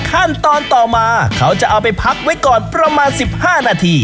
ขั้นตอนต่อมาเขาจะเอาไปพักไว้ก่อนประมาณ๑๕นาที